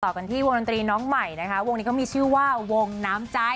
กันที่วงดนตรีน้องใหม่นะคะวงนี้เขามีชื่อว่าวงน้ำใจ